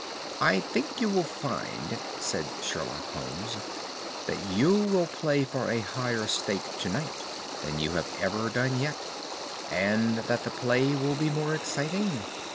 "I think you will find," said Sherlock Holmes, "that you will play for a higher stake to night than you have ever done yet, and that the play will be more exciting.